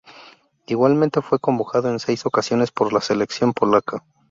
Igualmente fue convocado en seis ocasiones por la selección polaca.